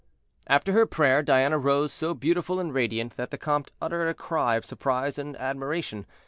After her prayer Diana rose so beautiful and radiant that the comte uttered a cry of surprise and admiration.